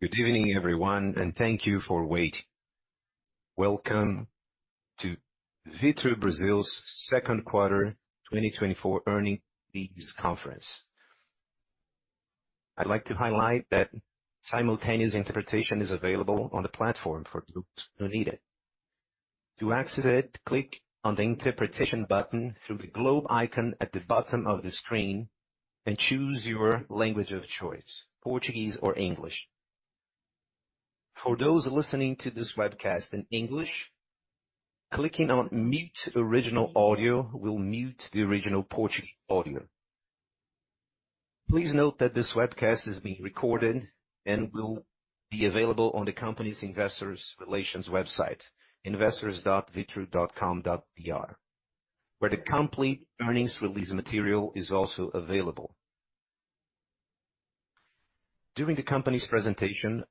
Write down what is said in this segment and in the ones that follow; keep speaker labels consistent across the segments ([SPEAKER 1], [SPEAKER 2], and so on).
[SPEAKER 1] Good evening, everyone, and thank you for waiting. Welcome to Vitru Brazil's Second Quarter 2024 Earnings Release Conference. I'd like to highlight that simultaneous interpretation is available on the platform for those who need it. To access it, click on the Interpretation button through the globe icon at the bottom of the screen, and choose your language of choice, Portuguese or English. For those listening to this webcast in English, clicking on Mute Original Audio will mute the original Portuguese audio. Please note that this webcast is being recorded and will be available on the company's investor relations website, investors.vitru.com.br, where the complete earnings release material is also available. During the company's presentation,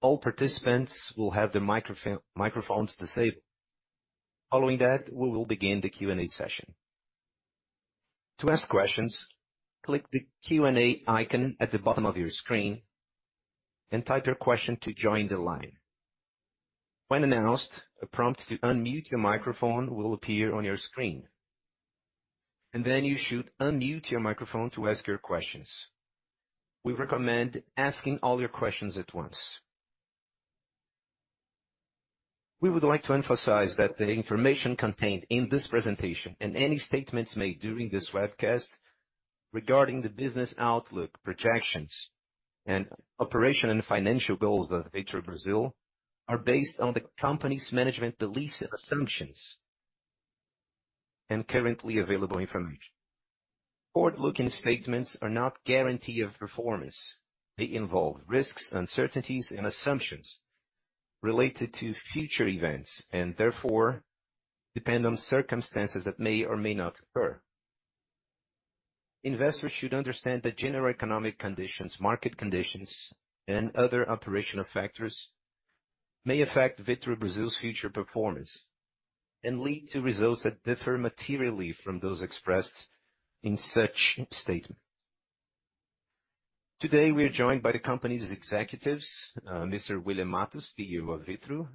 [SPEAKER 1] all participants will have their microphones disabled. Following that, we will begin the Q&A session. To ask questions, click the Q&A icon at the bottom of your screen and type your question to join the line. When announced, a prompt to unmute your microphone will appear on your screen, and then you should unmute your microphone to ask your questions. We recommend asking all your questions at once. We would like to emphasize that the information contained in this presentation and any statements made during this webcast regarding the business outlook, projections, and operation and financial goals of Vitru Brasil, are based on the company's management beliefs, assumptions, and currently available information. Forward-looking statements are not guarantee of performance. They involve risks, uncertainties, and assumptions related to future events, and therefore, depend on circumstances that may or may not occur. Investors should understand that general economic conditions, market conditions, and other operational factors may affect Vitru Brazil's future performance and lead to results that differ materially from those expressed in such statements. Today, we are joined by the company's executives, Mr. William Matos, CEO of Vitru,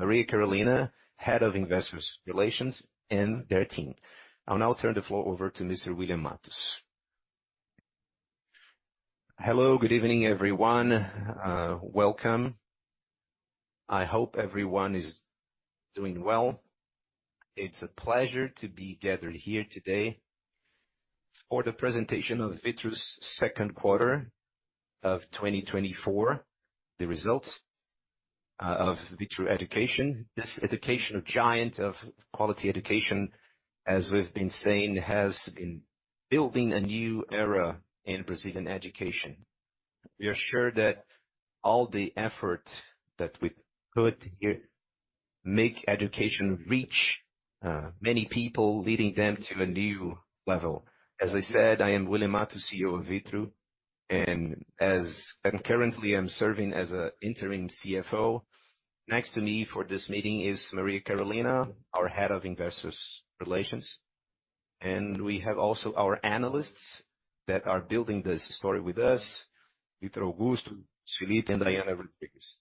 [SPEAKER 1] Maria Carolina, Head of Investor Relations, and their team. I'll now turn the floor over to Mr. William Matos.
[SPEAKER 2] Hello, good evening, everyone. Welcome. I hope everyone is doing well. It's a pleasure to be gathered here today for the presentation of Vitru's second quarter of 2024, the results, of Vitru Education. This education giant of quality education, as we've been saying, has been building a new era in Brazilian education. We are sure that all the effort that we put here make education reach, many people, leading them to a new level. As I said, I am William Matos, CEO of Vitru, and currently, I'm serving as an interim CFO. Next to me for this meeting is Maria Carolina, our Head of Investor Relations, and we have also our analysts that are building this story with us, Vitor Augusto, Felipe, and Diana Rodrigues.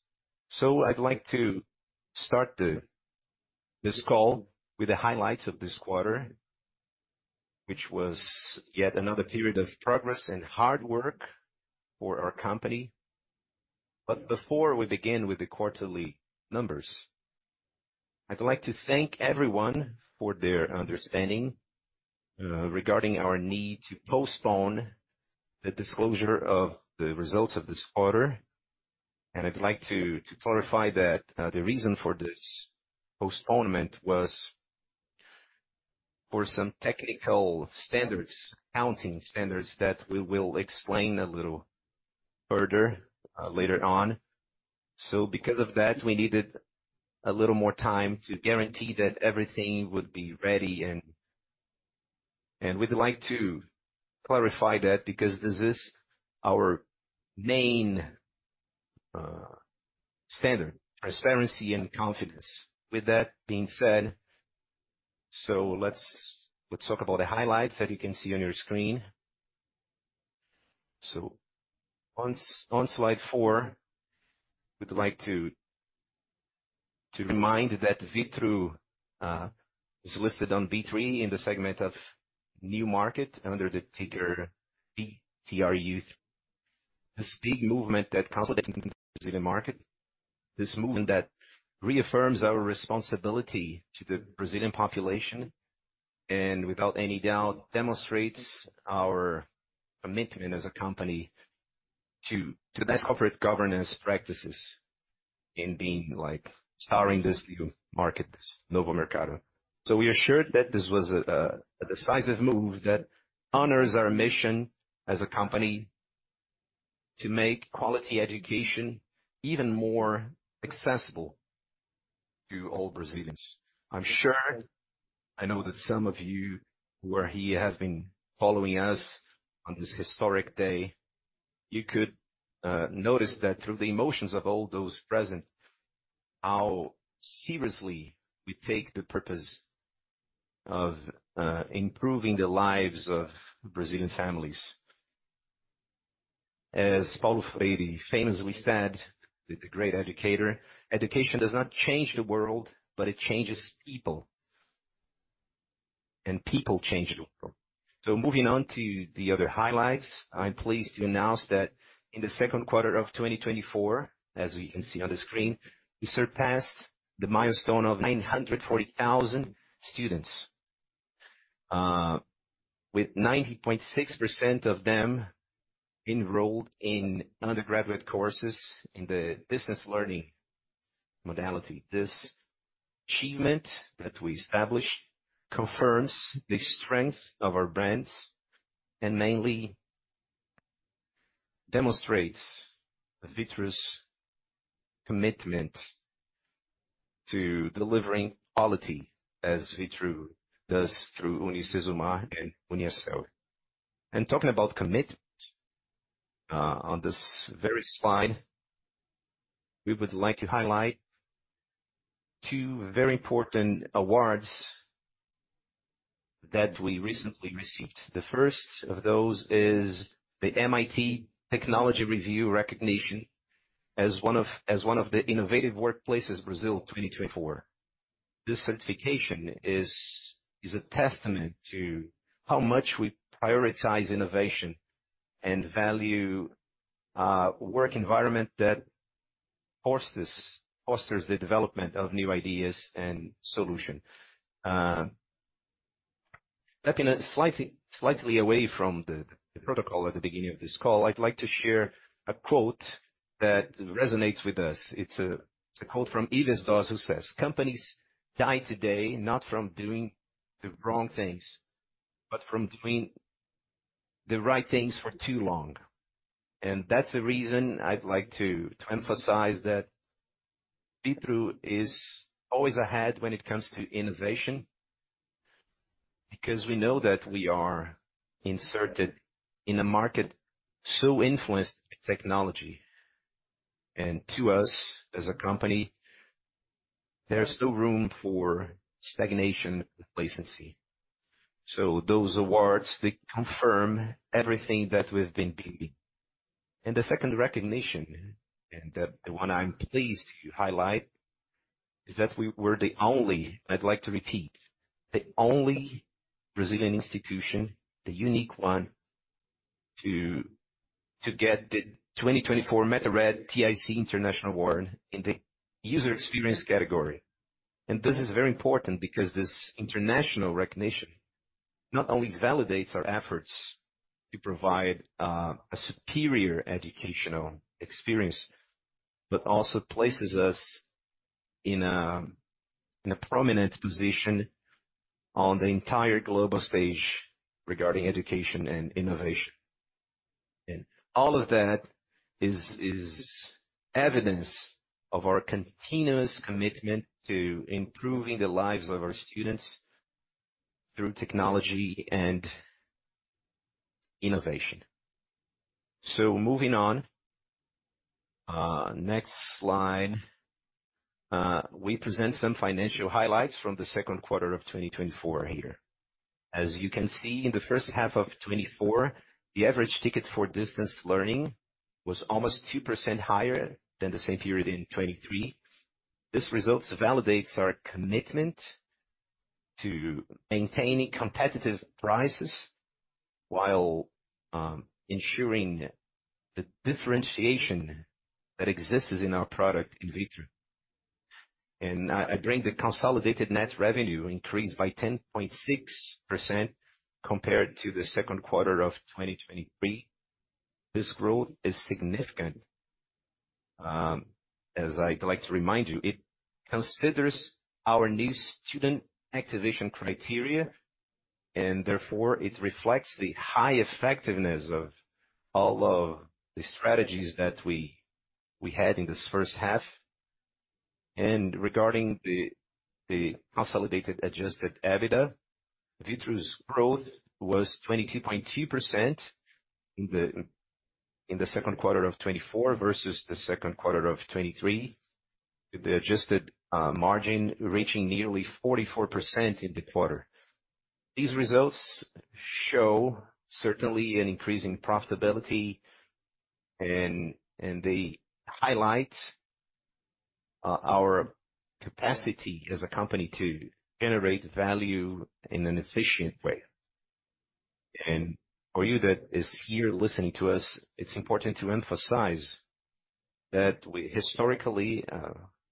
[SPEAKER 2] I'd like to start this call with the highlights of this quarter, which was yet another period of progress and hard work for our company. Before we begin with the quarterly numbers, I'd like to thank everyone for their understanding regarding our need to postpone the disclosure of the results of this quarter. I'd like to clarify that the reason for this postponement was for some technical standards, accounting standards, that we will explain a little further later on. Because of that, we needed a little more time to guarantee that everything would be ready and we'd like to clarify that because this is our main standard, transparency and confidence. With that being said, let's talk about the highlights that you can see on your screen. On slide four, we'd like to remind you that Vitru is listed on B3 in the segment of new market under the ticker VTRU. This big movement that consolidated the Brazilian market, this movement that reaffirms our responsibility to the Brazilian population, and without any doubt, demonstrates our commitment as a company to best corporate governance practices in being, like, starring this new market, this Novo Mercado. So we are assured that this was a decisive move that honors our mission as a company to make quality education even more accessible to all Brazilians. I'm sure I know that some of you who are here have been following us on this historic day. You could notice that through the emotions of all those present, how seriously we take the purpose of improving the lives of Brazilian families. As Paulo Freire famously said, the great educator: "Education does not change the world, but it changes people, and people change the world." So moving on to the other highlights. I'm pleased to announce that in the second quarter of 2024, as we can see on the screen, we surpassed the milestone of nine 940,000 students with 90.6% of them enrolled in undergraduate courses in the business learning modality. This achievement that we established confirms the strength of our brands, and mainly demonstrates Vitru's commitment to delivering quality as Vitru does through UniCesumar and Uniasselvi. And talking about commitment, on this very slide, we would like to highlight two very important awards that we recently received. The first of those is the MIT Technology Review recognition as one of the innovative workplaces, Brazil, 2024. This certification is a testament to how much we prioritize innovation and value work environment that fosters the development of new ideas and solution. Stepping slightly away from the protocol at the beginning of this call, I'd like to share a quote that resonates with us. It's a quote from Yves Doz, who says, "Companies die today, not from doing the wrong things, but from doing the right things for too long." And that's the reason I'd like to emphasize that Vitru is always ahead when it comes to innovation, because we know that we are inserted in a market so influenced by technology. And to us, as a company, there's no room for stagnation and complacency. So those awards, they confirm everything that we've been doing. The second recognition, the one I'm pleased to highlight, is that we're the only, I'd like to repeat, the only Brazilian institution, the unique one, to get the 2024 MetaRed TIC International Award in the user experience category. This is very important because this international recognition not only validates our efforts to provide a superior educational experience, but also places us in a prominent position on the entire global stage regarding education and innovation. All of that is evidence of our continuous commitment to improving the lives of our students through technology and innovation. Moving on, next slide. We present some financial highlights from the second quarter of 2024 here. As you can see, in the first half of 2024, the average ticket for distance learning was almost 2% higher than the same period in 2023. This result validates our commitment to maintaining competitive prices while ensuring the differentiation that exists in our product in Vitru. And I bring the consolidated net revenue increased by 10.6% compared to the second quarter of 2023. This growth is significant, as I'd like to remind you, it considers our new student activation criteria, and therefore, it reflects the high effectiveness of all of the strategies that we had in this first half. And regarding the consolidated adjusted EBITDA, Vitru's growth was 22.2% in the second quarter of 2024 versus the second quarter of 2023. The adjusted margin reaching nearly 44% in the quarter. These results show certainly an increasing profitability, and they highlight our capacity as a company to generate value in an efficient way. For you that is here listening to us, it's important to emphasize that we historically,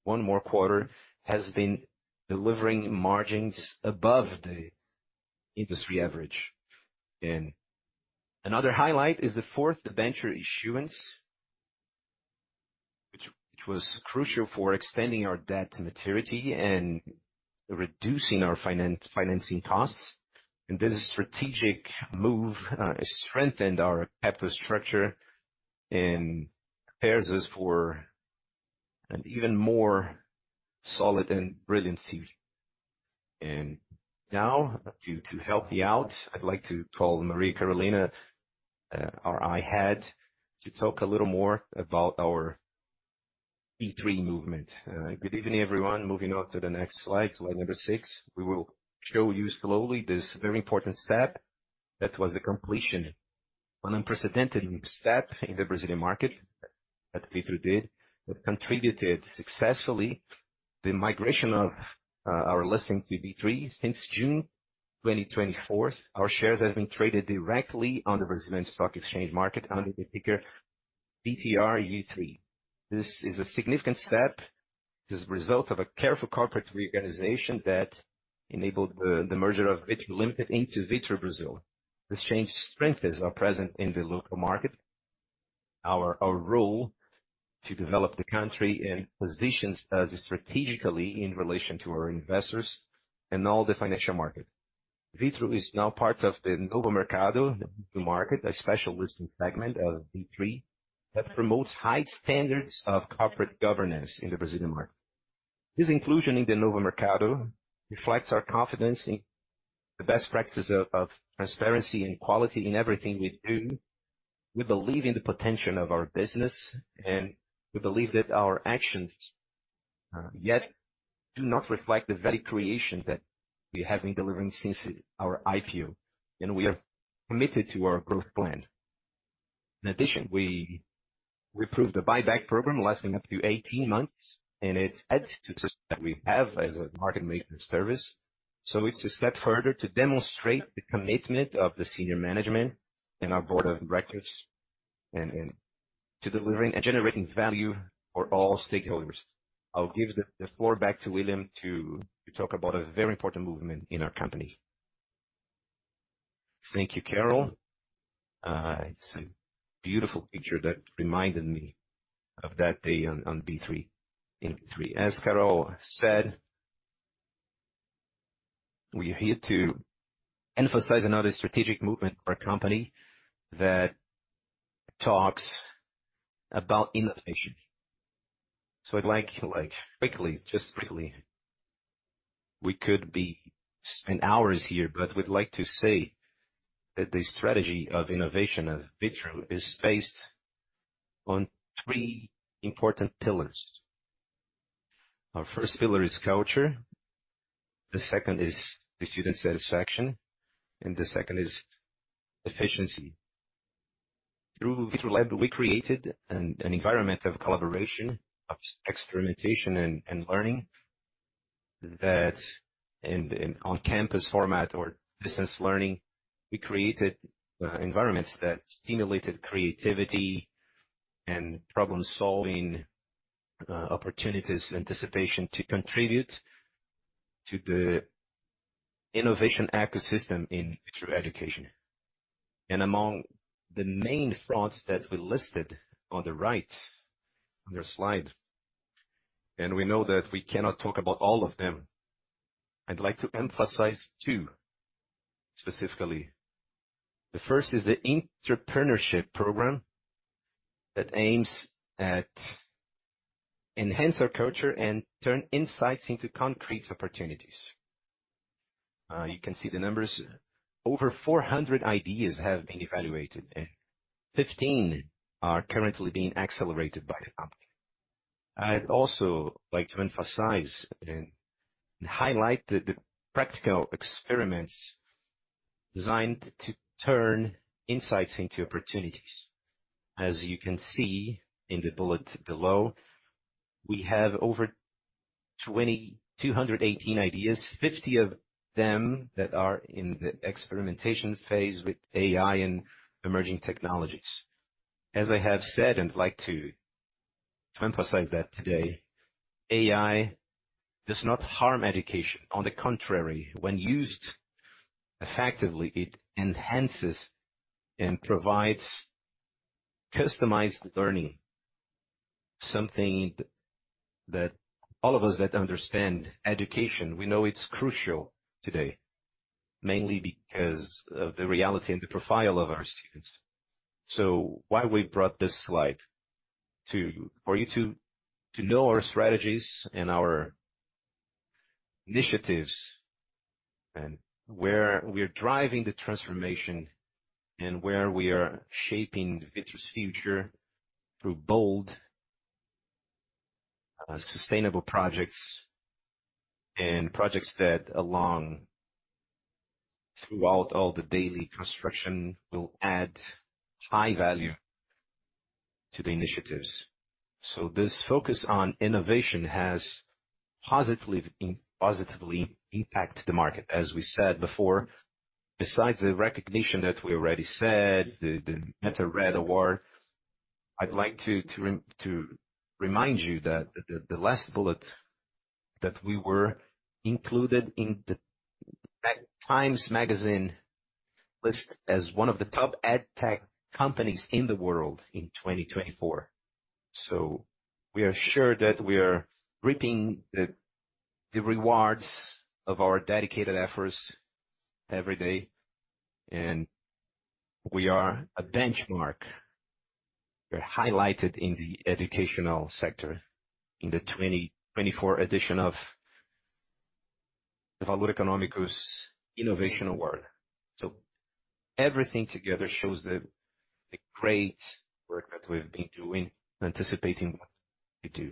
[SPEAKER 2] one more quarter, has been delivering margins above the industry average. Another highlight is the fourth debenture issuance, which was crucial for extending our debt to maturity and reducing our financing costs. This strategic move strengthened our capital structure and prepares us for an even more solid and brilliant future. Now, to help me out, I'd like to call Maria Carolina, our Head, to talk a little more about our B3 movement.
[SPEAKER 3] Good evening, everyone. Moving on to the next slide, slide number six. We will show you slowly this very important step. That was a completion, an unprecedented step in the Brazilian market, that Vitru did, that contributed successfully the migration of our listing to B3. Since 2024, our shares have been traded directly on the Brazilian Stock Exchange market under the ticker VTRU3. This is a significant step. This is a result of a careful corporate reorganization that enabled the merger of Vitru Limited into Vitru Brasil. This change strengthens our presence in the local market, our role to develop the country, and positions us strategically in relation to our investors and all the financial market. Vitru is now part of the Novo Mercado, the market, a special listing segment of B3, that promotes high standards of corporate governance in the Brazilian market. This inclusion in the Novo Mercado reflects our confidence in the best practices of transparency and quality in everything we do. We believe in the potential of our business, and we believe that our actions yet do not reflect the value creation that we have been delivering since our IPO, and we are committed to our growth plan. In addition, we approved a buyback program lasting up to 18 months, and it's added to trust that we have as a market-leading service. So it's a step further to demonstrate the commitment of the senior management and our board of directors, and to delivering and generating value for all stakeholders. I'll give the floor back to William to talk about a very important movement in our company.
[SPEAKER 2] Thank you, Carol. It's a beautiful picture that reminded me of that day on B3 in B3. As Carol said, we are here to emphasize another strategic movement for our company that talks about innovation. I'd like, like, quickly, just quickly, we could spend hours here, but we'd like to say that the strategy of innovation of Vitru is based on three important pillars. Our first pillar is culture, the second is the student satisfaction, and the second is efficiency. Through Vitru Lab, we created an environment of collaboration, of experimentation and learning, that in on-campus format or distance learning, we created environments that stimulated creativity and problem-solving opportunities, anticipation to contribute to the innovation ecosystem in Vitru Education. Among the main fronts that we listed on the right, on your slide, and we know that we cannot talk about all of them. I'd like to emphasize two, specifically. The first is the intrapreneurship program that aims at enhance our culture and turn insights into concrete opportunities. You can see the numbers. Over 400 ideas have been evaluated, and 15 are currently being accelerated by the company. I'd also like to emphasize and highlight the practical experiments designed to turn insights into opportunities. As you can see in the bullet below, we have over 2,218 ideas, 50 of them that are in the experimentation phase with AI and emerging technologies. As I have said, and I'd like to emphasize that today, AI does not harm education. On the contrary, when used effectively, it enhances and provides customized learning. Something that all of us that understand education, we know it's crucial today, mainly because of the reality and the profile of our students. So why we brought this slide? For you to know our strategies and our initiatives, and where we are driving the transformation, and where we are shaping Vitru's future through bold, sustainable projects and projects that along throughout all the daily construction, will add high value to the initiatives. So this focus on innovation has positively impacted the market. As we said before, besides the recognition that we already said, the MetaRed Award, I'd like to remind you that the last bullet, that we were included in the TIMES Magazine list as one of the top edtech companies in the world in 2024. So we are sure that we are reaping the rewards of our dedicated efforts every day, and we are a benchmark. We're highlighted in the educational sector in the 2024 edition of the Valor Econômico's Innovation Award. So everything together shows the great work that we've been doing, anticipating what to do.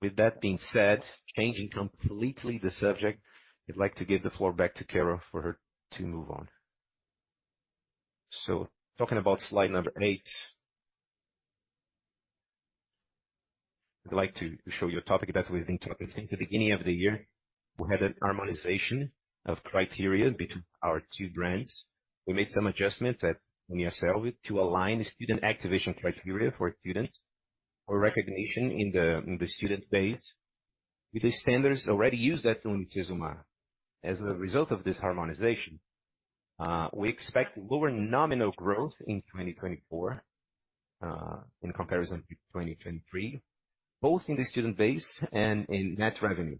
[SPEAKER 2] With that being said, changing completely the subject, I'd like to give the floor back to Carolina for her to move on.
[SPEAKER 3] Talking about slide number eight. I'd like to show you a topic that we've been talking since the beginning of the year. We had a harmonization of criteria between our two brands. We made some adjustments at Uniasselvi to align the student activation criteria for students or recognition in the student base, with the standards already used at UniCesumar. As a result of this harmonization, we expect lower nominal growth in 2024, in comparison to 2023, both in the student base and in net revenue.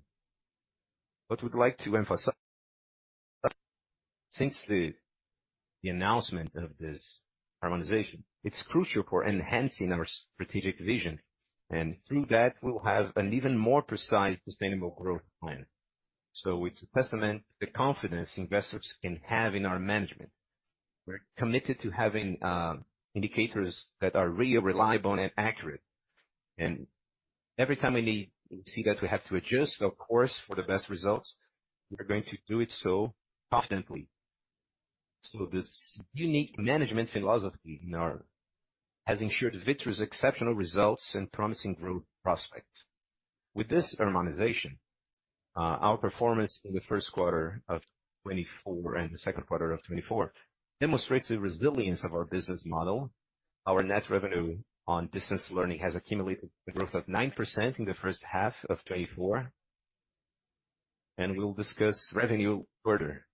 [SPEAKER 3] What we'd like to emphasize, since the announcement of this harmonization, it's crucial for enhancing our strategic vision, and through that, we will have an even more precise, sustainable growth plan. It's a testament to the confidence investors can have in our management. We're committed to having indicators that are really reliable and accurate. Every time we see that we have to adjust, of course, for the best results, we are going to do it so confidently. This unique management philosophy in our company has ensured Vitru's exceptional results and promising growth prospects. With this harmonization, our performance in the first quarter of 2024 and the second quarter of 2024 demonstrates the resilience of our business model. Our net revenue on distance learning has accumulated a growth of 9% in the first half of 2024, and we will discuss revenue further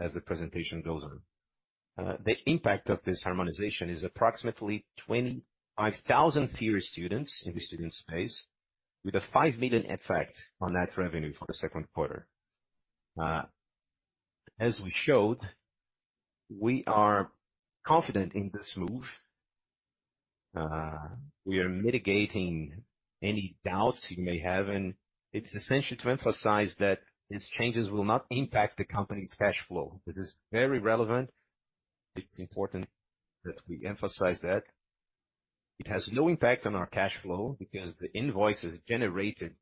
[SPEAKER 3] as the presentation goes on. The impact of this harmonization is approximately 25,000 fewer students in the student base, with a 5 million effect on net revenue for the second quarter. As we showed, we are confident in this move. We are mitigating any doubts you may have, and it's essential to emphasize that these changes will not impact the company's cash flow. It is very relevant. It's important that we emphasize that. It has low impact on our cash flow, because the invoices generated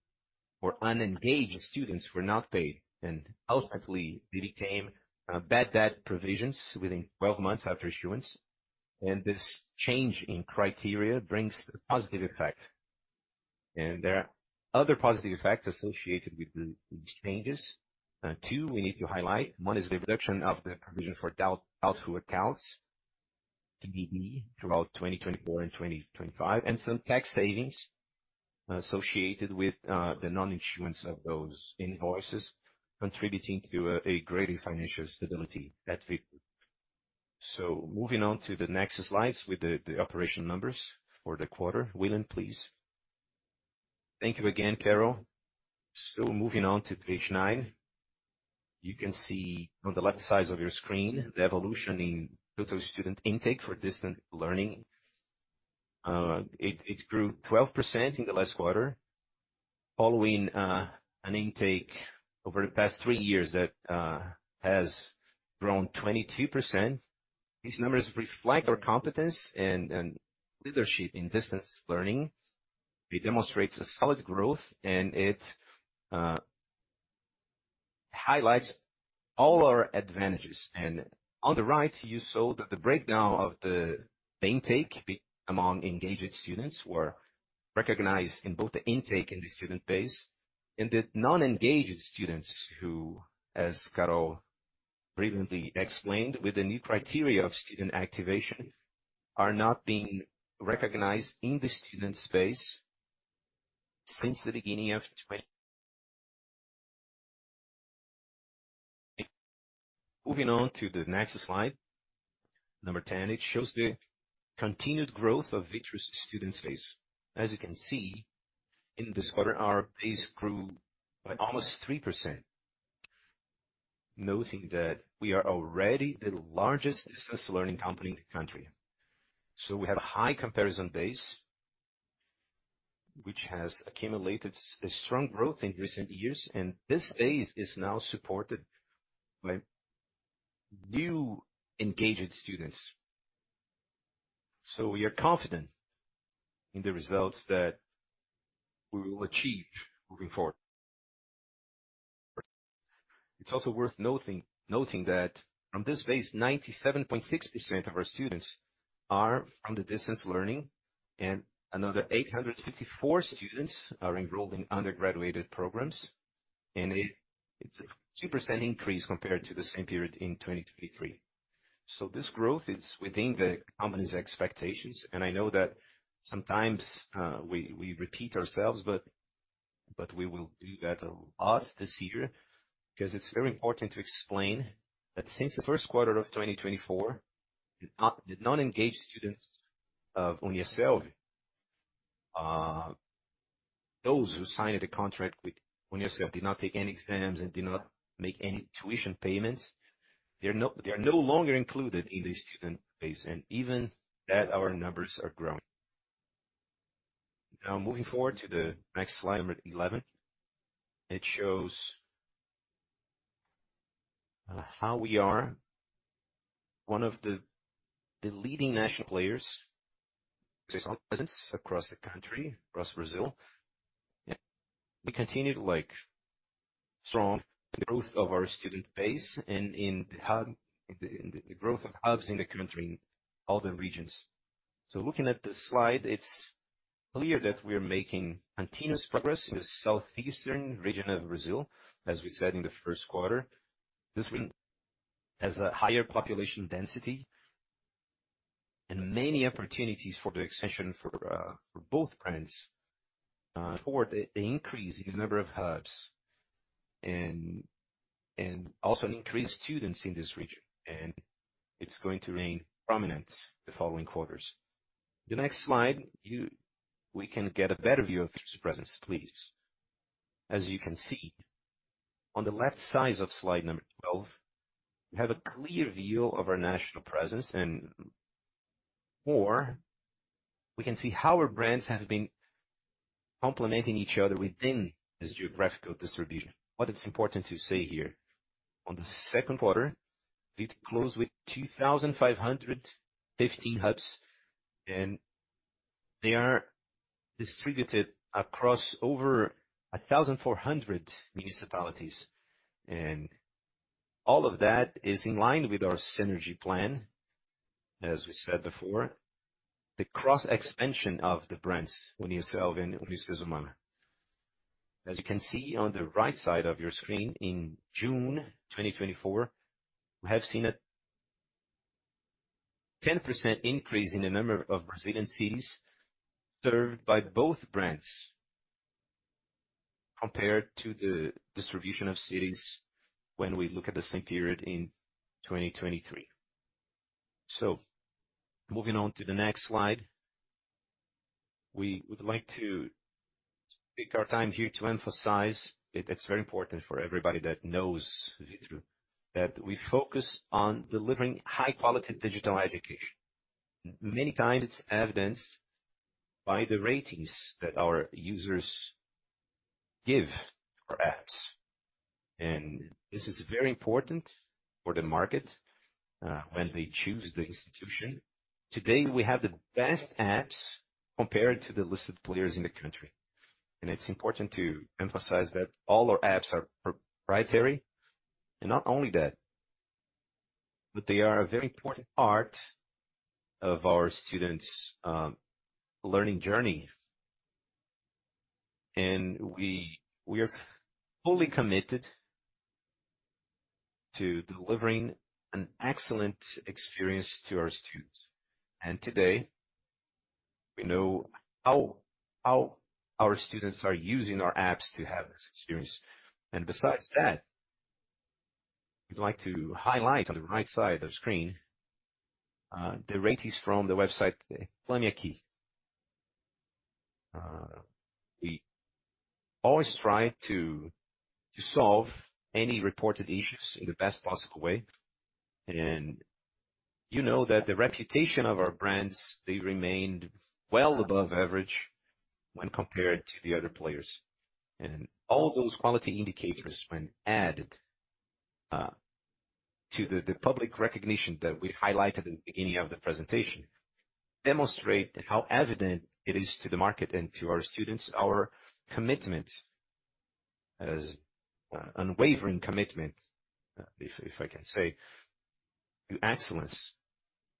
[SPEAKER 3] for unengaged students were not paid, and ultimately, they became bad debt provisions within 12 months after issuance, and this change in criteria brings a positive effect. And there are other positive effects associated with these changes. Two, we need to highlight. One is the reduction of the provision for doubtful accounts, PDD, throughout 2024 and 2025, and some tax savings associated with the non-issuance of those invoices, contributing to a greater financial stability at Vitru. So moving on to the next slides with the operation numbers for the quarter. William, please.
[SPEAKER 2] Thank you again, Carol. So moving on to page nine, you can see on the left side of your screen the evolution in total student intake for distance learning. It grew 12% in the last quarter, following an intake over the past three years that has grown 22%. These numbers reflect our competence and leadership in distance learning. It demonstrates a solid growth, and it highlights all our advantages. And on the right, you saw that the breakdown of the intake among engaged students was recognized in both the intake and the student base, and the non-engaged students who, as Carol previously explained, with the new criteria of student activation, are not being recognized in the student base since the beginning of 2020. Moving on to the next slide, number 10. It shows the continued growth of Vitru's student base. As you can see, in this quarter, our base grew by almost 3%, noting that we are already the largest distance learning company in the country. So we have a high comparison base, which has accumulated a strong growth in recent years, and this base is now supported by new engaged students. So we are confident in the results that we will achieve moving forward. It's also worth noting that from this base, 97.6% of our students are from the distance learning, and another 854 students are enrolled in undergraduate programs, and it's a 2% increase compared to the same period in 2023. So this growth is within the company's expectations, and I know that sometimes we repeat ourselves, but we will do that a lot this year, 'cause it's very important to explain that since the first quarter of 2024, the non-engaged students of Uniasselvi, those who signed a contract with Uniasselvi, did not take any exams and did not make any tuition payments, they are no longer included in the student base, and even that, our numbers are growing. Now moving forward to the next slide, number 11. It shows how we are one of the leading national players presence across the country, across Brazil. And we continue to like strong growth of our student base and in the hub the growth of hubs in the country, in all the regions. So looking at this slide, it's clear that we are making continuous progress in the Southeastern Region of Brazil, as we said in the first quarter. This has a higher population density and many opportunities for the expansion for both brands for the increase in the number of hubs and also an increase in students in this region. And it's going to remain prominent the following quarters. The next slide, we can get a better view of presence, please. As you can see, on the left side of slide number 12, we have a clear view of our national presence, and more, we can see how our brands have been complementing each other within this geographical distribution. What is important to say here, on the second quarter, it closed with 2,515 hubs, and they are distributed across over 1,400 municipalities, and all of that is in line with our synergy plan. As we said before, the cross-expansion of the brands, Uniasselvi and UniCesumar. As you can see on the right side of your screen, in June 2024, we have seen a 10% increase in the number of Brazilian cities served by both brands, compared to the distribution of cities when we look at the same period in 2023. So moving on to the next slide. We would like to take our time here to emphasize that it's very important for everybody that knows that we focus on delivering high-quality digital education. Many times, it's evidenced by the ratings that our users give our apps, and this is very important for the market when they choose the institution. Today, we have the best apps compared to the listed players in the country, and it's important to emphasize that all our apps are proprietary. And not only that, but they are a very important part of our students' learning journey. And we are fully committed to delivering an excellent experience to our students. And today, we know how our students are using our apps to have this experience. And besides that, we'd like to highlight on the right side of the screen the ratings from the website, Reclame AQUI. We always try to solve any reported issues in the best possible way, and you know that the reputation of our brands, they remained well above average when compared to the other players. All those quality indicators, when added to the public recognition that we highlighted at the beginning of the presentation, demonstrate how evident it is to the market and to our students, our unwavering commitment, if I can say, to excellence.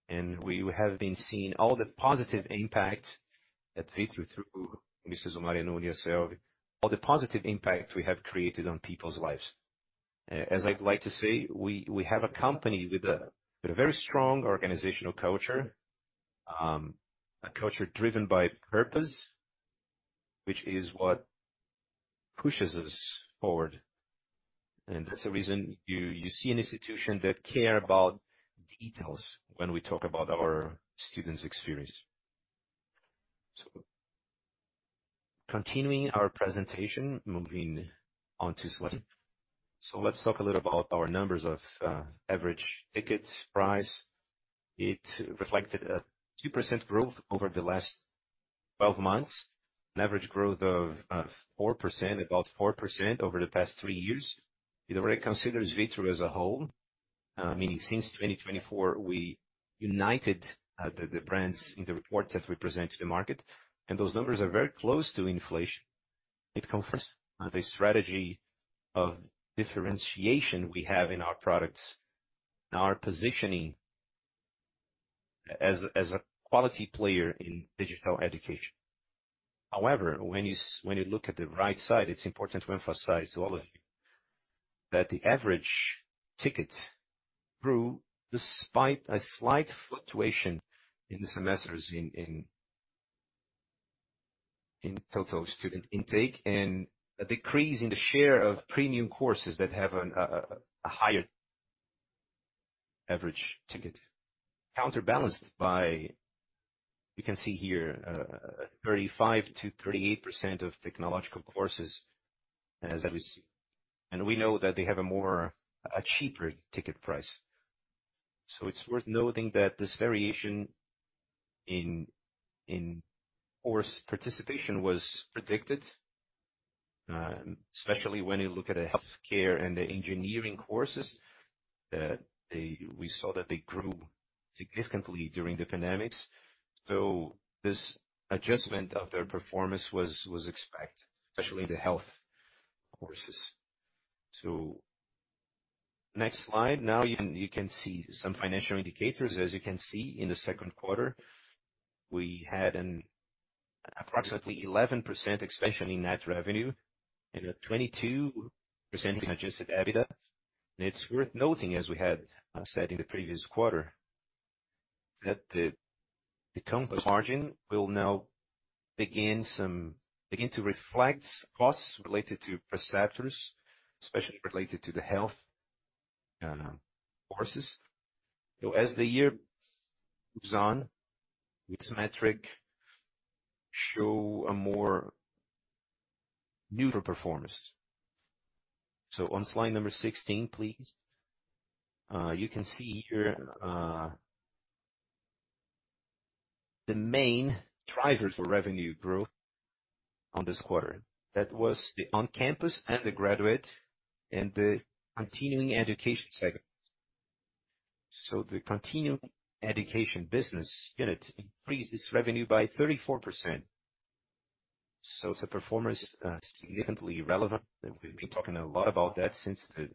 [SPEAKER 2] We have been seeing all the positive impact that through UniCesumar and Uniasselvi we have created on people's lives. As I'd like to say, we have a company with a very strong organizational culture, a culture driven by purpose, which is what pushes us forward. And that's the reason you see an institution that care about details when we talk about our students' experience. Continuing our presentation, moving on to slide. Let's talk a little about our numbers of average ticket price. It reflected a 2% growth over the last 12 months, an average growth of 4%, about 4% over the past three years. It already considers Vitru as a whole, meaning since 2024, we united the brands in the reports that we present to the market, and those numbers are very close to inflation. It confirms the strategy of differentiation we have in our products and our positioning as a quality player in digital education. However, when you look at the right side, it's important to emphasize to all of you that the average ticket grew, despite a slight fluctuation in the semesters in total student intake, and a decrease in the share of premium courses that have a higher average ticket, counterbalanced by, you can see here, 35%-38% of technological courses, as I was, and we know that they have a cheaper ticket price. It's worth noting that this variation in course participation was predicted, especially when you look at the healthcare and the engineering courses. We saw that they grew significantly during the pandemics. This adjustment of their performance was expected, especially the health courses. Next slide. Now you can see some financial indicators. As you can see, in the second quarter, we had an approximately 11% expansion in net revenue and a 22% Adjusted EBITDA, and it's worth noting, as we had said in the previous quarter, that the composite margin will now begin to reflect costs related to preceptors, especially related to the health courses, so as the year moves on, this metric show a more neutral performance, so on slide number 16, please. You can see here the main drivers for revenue growth on this quarter. That was the on-campus and the graduate and the continuing education segment. So the continuing education business unit increased its revenue by 34%. So it's a performance significantly relevant, and we've been talking a lot about that since the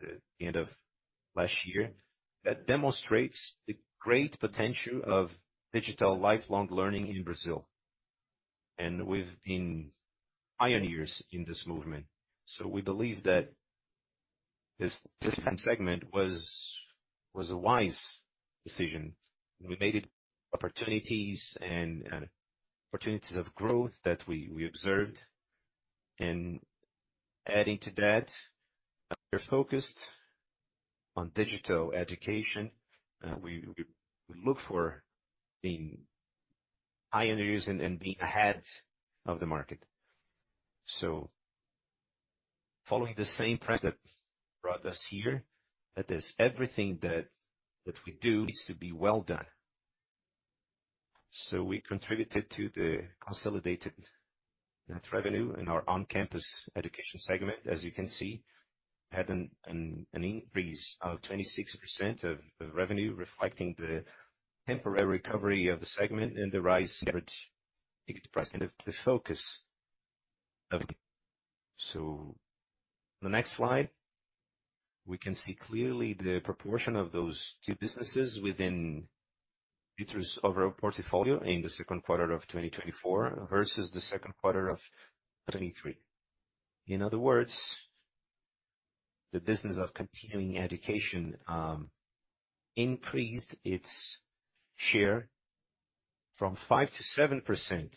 [SPEAKER 2] end of last year. That demonstrates the great potential of digital lifelong learning in Brazil, and we've been pioneers in this movement. We believe that this segment was a wise decision. We made it opportunities and opportunities of growth that we observed. And adding to that, we're focused on digital education. We look for being pioneers and being ahead of the market. Following the same premise that brought us here, that is everything that we do needs to be well done. We contributed to the consolidated net revenue in our on-campus education segment. As you can see, it had an increase of 26% of revenue, reflecting the temporary recovery of the segment and the rising average and the focus of it. So the next slide, we can see clearly the proportion of those two businesses within features of our portfolio in the second quarter of 2024 versus the second quarter of 2023. In other words, the business of continuing education increased its share from 5% to 7%.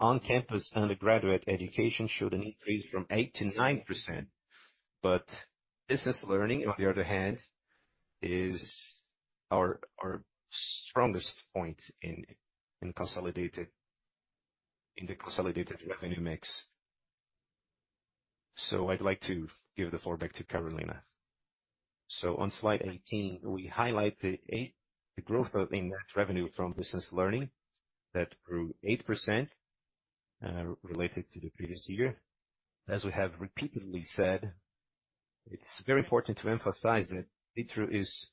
[SPEAKER 2] On-campus undergraduate education showed an increase from 8% to 9%. But business learning, on the other hand, is our strongest point in the consolidated revenue mix. So I'd like to give the floor back to Carolina.
[SPEAKER 3] So on slide 18, we highlight the growth of in net revenue from business learning. That grew 8%, related to the previous year. As we have repeatedly said, it's very important to emphasize that Vitru is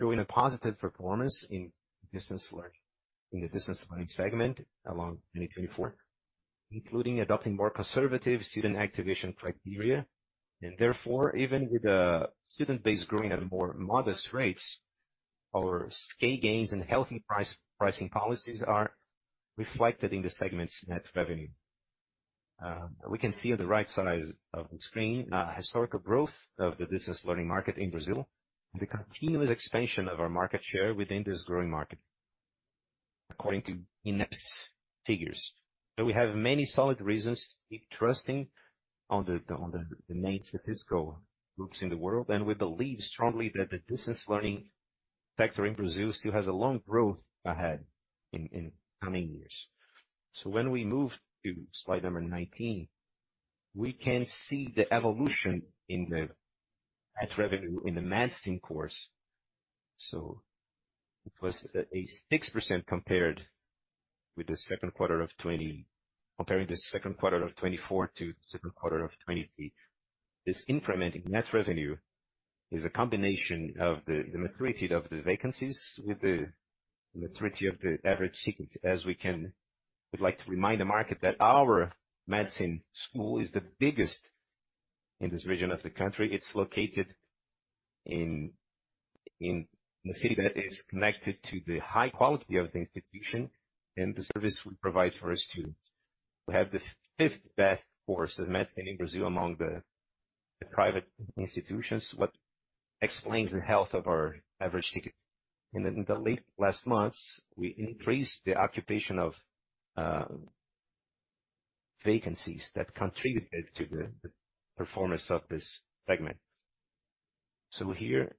[SPEAKER 3] showing a positive performance in business learning, in the business learning segment, along 2024, including adopting more conservative student activation criteria. Therefore, even with the student base growing at more modest rates, our scale gains and healthy pricing policies are reflected in the segment's net revenue. We can see on the right side of the screen, a historical growth of the business learning market in Brazil, and the continuous expansion of our market share within this growing market, according to INEP figures. We have many solid reasons trusting on the main statistical groups in the world, and we believe strongly that the business learning sector in Brazil still has a long growth ahead in coming years. When we move to slide number 19, we can see the evolution in the net revenue in the medicine course. It was a 6% comparing the second quarter of 2024 to second quarter of 2023. This increment in net revenue is a combination of the maturity of the vacancies with the maturity of the average ticket. We'd like to remind the market that our medicine school is the biggest in this region of the country. It's located in a city that is connected to the high quality of the institution and the service we provide for our students. We have the fifth best course of medicine in Brazil among the private institutions, what explains the health of our average ticket. In the latter last months, we increased the occupation of vacancies that contributed to the performance of this segment. Here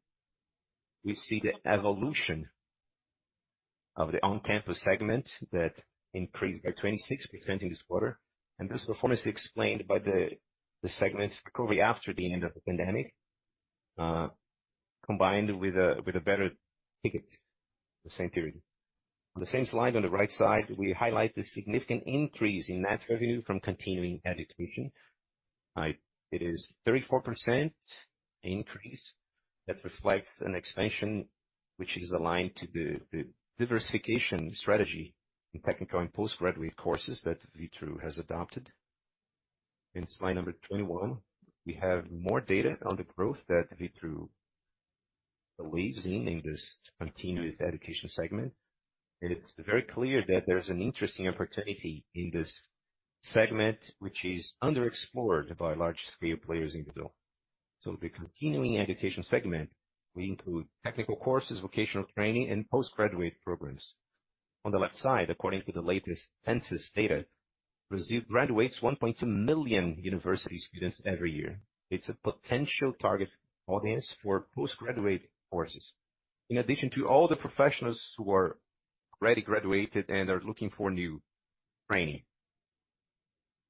[SPEAKER 3] we see the evolution of the on-campus segment that increased by 26% in this quarter, and this performance is explained by the segment recovery after the end of the pandemic, combined with a better ticket than the same period. On the same slide, on the right side, we highlight the significant increase in net revenue from continuing education. It is 34% increase. That reflects an expansion, which is aligned to the diversification strategy in technical and postgraduate courses that Vitru has adopted. In slide number 21, we have more data on the growth that Vitru believes in, in this continuing education segment, and it's very clear that there's an interesting opportunity in this segment, which is underexplored by large-scale players in Brazil. So the continuing education segment will include technical courses, vocational training, and postgraduate programs. On the left side, according to the latest census data, Brazil graduates 1.2 million university students every year. It's a potential target audience for postgraduate courses, in addition to all the professionals who are already graduated and are looking for new training.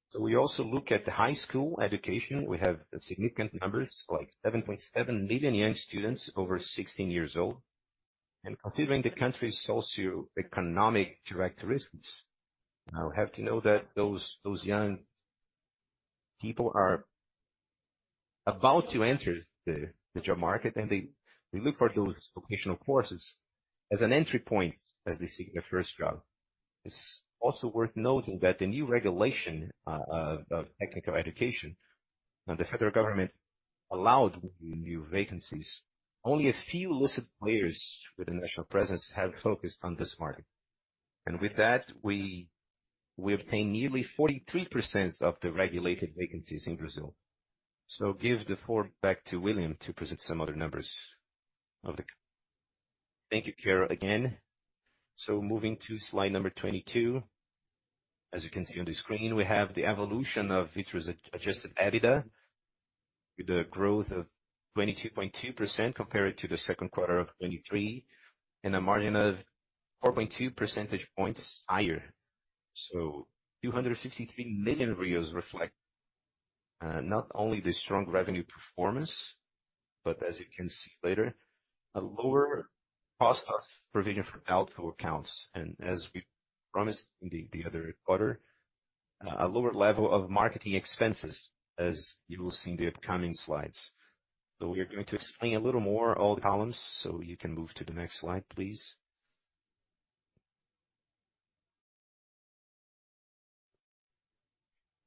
[SPEAKER 3] So we also look at the high school education. We have significant numbers, like 7.7 million young students over 16 years old, and considering the country's socioeconomic characteristics, we have to know that those young people are about to enter the job market, and they look for those vocational courses as an entry point as they seek their first job. It's also worth noting that the new regulation of technical education, and the federal government allowed the new vacancies. Only a few listed players with a national presence have focused on this market. And with that, we obtain nearly 43% of the regulated vacancies in Brazil. So give the floor back to William to present some other numbers of the-
[SPEAKER 2] Thank you, Carol, again. So moving to slide number 22. As you can see on the screen, we have the evolution of Vitru's adjusted EBITDA, with a growth of 22.2% compared to the second quarter of 2023, and a margin of 4.2 percentage points higher. So 253 million reflect not only the strong revenue performance, but as you can see later, a lower cost of provision for doubtful accounts. And as we promised in the other quarter, a lower level of marketing expenses, as you will see in the upcoming slides. So we are going to explain a little more all the columns, so you can move to the next slide, please.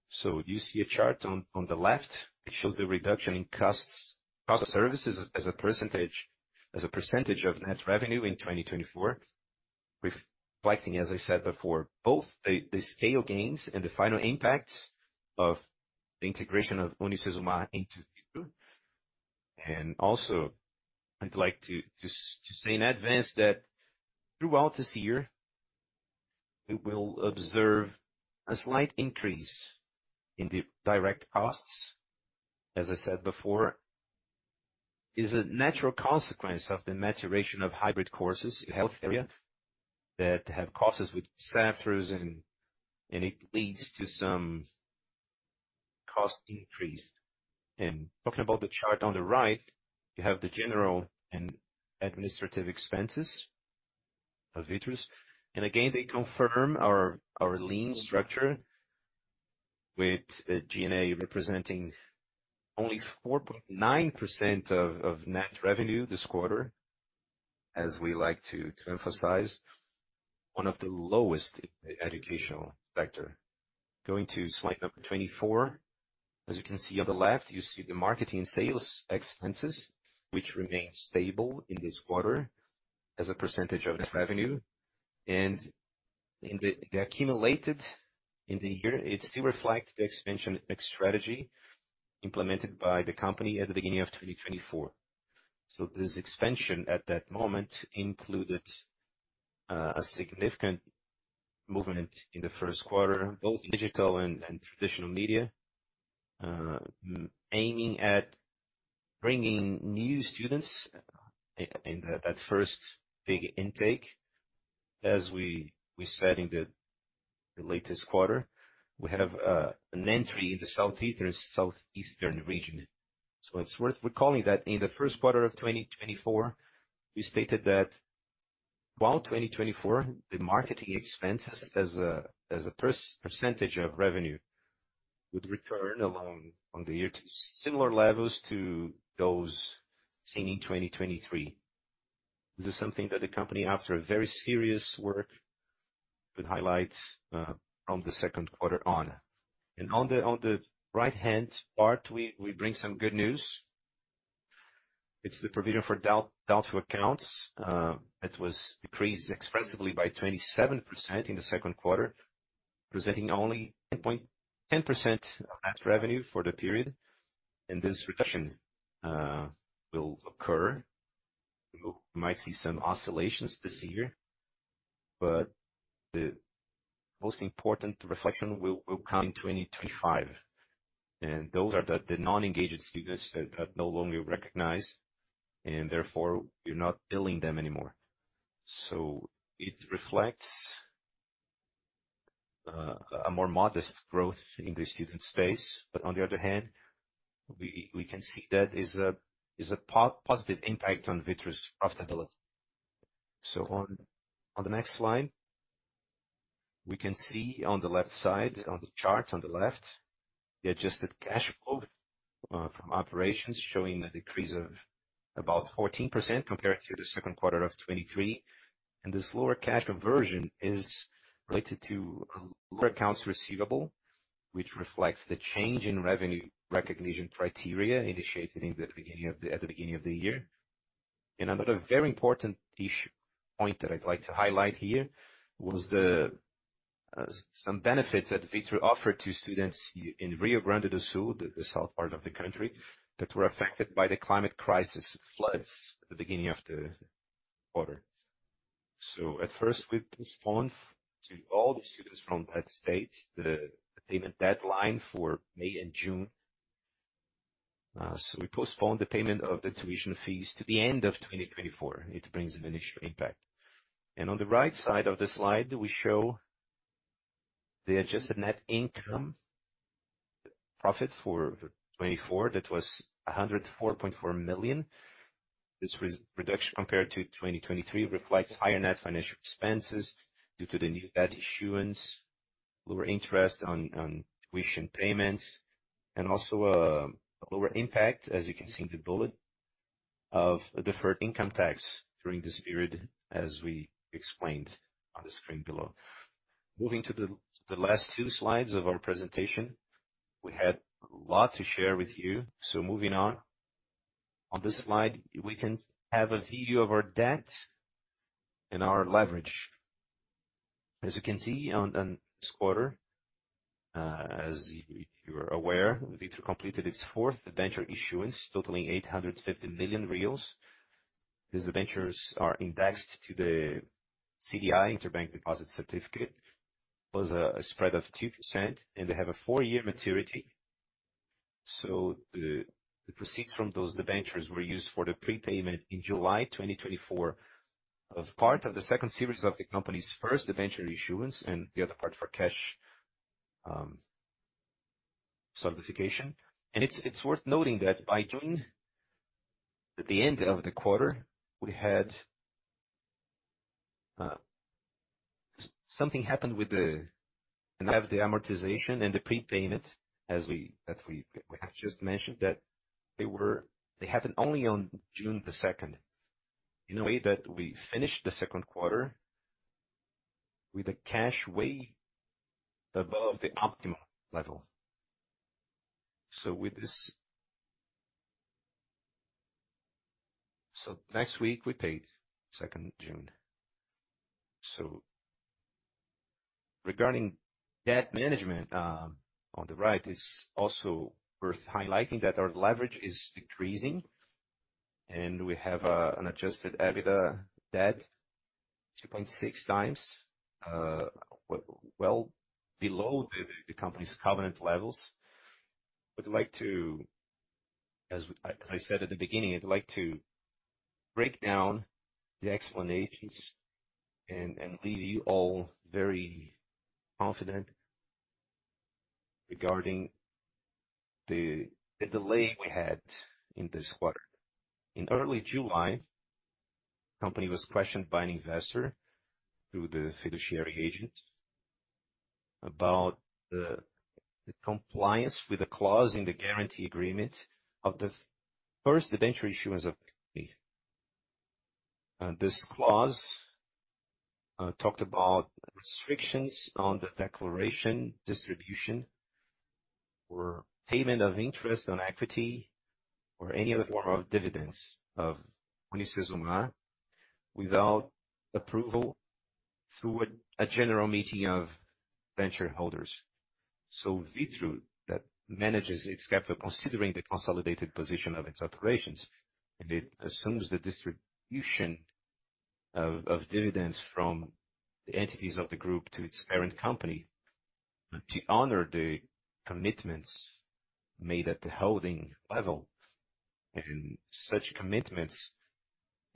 [SPEAKER 2] So you see a chart on the left. It shows the reduction in cost of services as a percentage of net revenue in 2024, reflecting, as I said before, both the scale gains and the final impacts of the integration of UniCesumar into Vitru. Also, I'd like to say in advance that throughout this year, we will observe a slight increase in the direct costs. As I said before, it's a natural consequence of the maturation of hybrid courses in health area, that have classes with staffers and it leads to some cost increase. Talking about the chart on the right, you have the general and administrative expenses of Vitru. Again, they confirm our lean structure with G&A representing only 4.9% of net revenue this quarter. As we like to emphasize, one of the lowest in the educational sector. Going to slide number 24. As you can see on the left, you see the marketing sales expenses, which remained stable in this quarter as a percentage of net revenue. In the accumulated in the year, it still reflects the expansion strategy implemented by the company at the beginning of 2024. This expansion, at that moment, included a significant movement in the first quarter, both in digital and traditional media, aiming at bringing new students in that first big intake. As we said in the latest quarter, we have an entry in the Southeastern Region. It's worth recalling that in the first quarter of 2024, we stated that, while 2024, the marketing expenses as a percentage of revenue, would return along on the year to similar levels to those seen in 2023. This is something that the company, after a very serious work, would highlight from the second quarter on. On the right-hand part, we bring some good news. It's the provision for doubtful accounts. It was decreased expressively by 27% in the second quarter, presenting only 10% of net revenue for the period, and this reduction will occur. We might see some oscillations this year, but the most important reflection will come in 2025, and those are the non-engaged students that no longer recognize, and therefore you're not billing them anymore. So it reflects a more modest growth in the student space. But on the other hand, we can see that is a positive impact on Vitru's profitability. On the next slide, we can see on the left side, on the chart on the left, the adjusted cash flow from operations, showing a decrease of about 14% compared to the second quarter of 2023. This lower cash conversion is related to lower accounts receivable, which reflects the change in revenue recognition criteria initiated at the beginning of the year. Another very important point that I'd like to highlight here was some benefits that Vitru offered to students in Rio Grande do Sul, the south part of the country, that were affected by the climate crisis floods at the beginning of the quarter. At first, we postponed to all the students from that state, the payment deadline for May and June. So we postponed the payment of the tuition fees to the end of 2024. It brings an initial impact, and on the right side of the slide, we show the adjusted net income profit for 2024. That was 104.4 million. This reduction, compared to 2023, reflects higher net financial expenses due to the new debt issuance, lower interest on tuition payments, and also a lower impact, as you can see in the bullet, of a deferred income tax during this period, as we explained on the screen below. Moving to the last two slides of our presentation, we had a lot to share with you. So moving on. On this slide, we can have a view of our debt and our leverage. As you can see on this quarter, as you are aware, Vitru completed its fourth debenture issuance, totaling 850 million reais. These debentures are indexed to the CDI Interbank deposit certificate, plus a spread of 2%, and they have a four-year maturity. So the proceeds from those debentures were used for the prepayment in July 2024, of part of the second series of the company's first debenture issuance, and the other part for cash certification. And it's worth noting that by June, at the end of the quarter, we had the amortization and the prepayment, as we have just mentioned, that they happened only on June second. In a way that we finished the second quarter with a cash way above the optimal level. Next week, we paid second June. Regarding debt management, on the right, it's also worth highlighting that our leverage is decreasing, and we have an adjusted EBITDA debt 2.6 times, well below the company's covenant levels. I'd like to, as I said at the beginning, break down the explanations and leave you all very confident regarding the delay we had in this quarter. In early July, company was questioned by an investor, through the fiduciary agent, about the compliance with the clause in the guarantee agreement of the first debenture issuance of UniCesumar. This clause talked about restrictions on the declaration, distribution, or payment of interest on equity or any other form of dividends of UniCesumar, without approval through a general meeting of debenture holders. Vitru manages its capital, considering the consolidated position of its operations, and it assumes the distribution of dividends from the entities of the group to its parent company, to honor the commitments made at the holding level. Such commitments